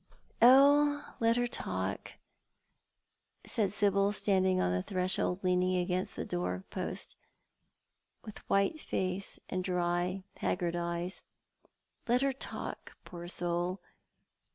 "Oh, let her talk," said Sibyl, standing on the threshold, leaning against the door post, with white face and dry, haggard eyes, " let her talk, poor soul.